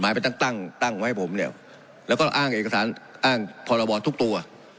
หมายเป็นตั้งตั้งตั้งไว้ผมเนี่ยแล้วก็อ้างเอกสารอ้างพรบอร์ททุกตัว